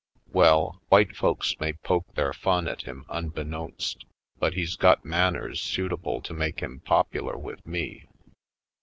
Well, white folks may poke their fun at him unbeknownst, but he's got manners suitable to make him popular with me.